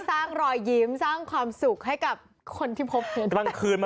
แต่น่ารักดีนะ